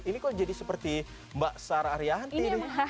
ini kok jadi seperti mbak sarah arianti